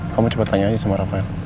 kamu coba tanya aja sama rafael